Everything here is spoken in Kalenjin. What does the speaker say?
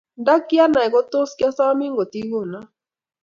nda kianai tos kiosomin katigono.